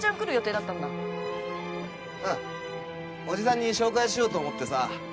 叔父さんに紹介しようと思ってさ。